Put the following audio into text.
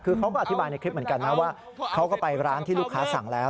คือเขาก็อธิบายในคลิปเหมือนกันนะว่าเขาก็ไปร้านที่ลูกค้าสั่งแล้ว